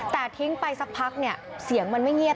แต่ทิ้งไปสักพักเนี่ยเสียงมันไม่เงียบ